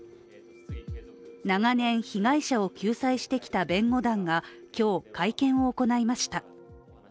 長年、被害者を救済してきた弁護団が今日、会見を行いました。